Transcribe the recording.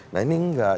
nah ini enggak